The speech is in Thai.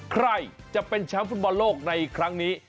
ใครจะเป็นช้ำฟุตบายนรกในครั้งนี้